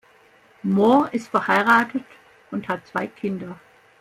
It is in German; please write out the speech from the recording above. Mohr ist verheiratet und hat zwei Kinder.